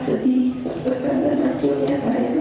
sedih betul dan mancunnya saya